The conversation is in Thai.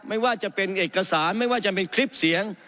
ไม่ว่าจะเป็นเอกสารไม่ว่าจะเป็นคลิปเสียง